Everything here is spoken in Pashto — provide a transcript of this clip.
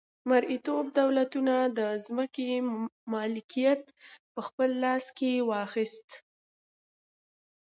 مرئیتوب دولتونو د ځمکې مالکیت په خپل لاس کې واخیست.